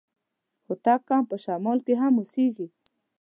هوتک قوم په شمال کي هم اوسېږي.